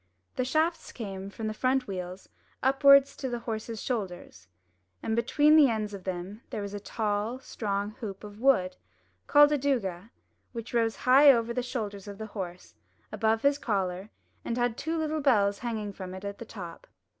The shafts came from the front wheels upwards to the horse's shoulders, and between the ends of them there was a tall, strong hoop of wood, called a douga, which rose high over the shoulders of the horse, above his collar, and had two little bells hanging from it at the top.